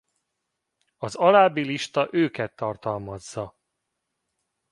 Az alábbi lista őket tartalmazza.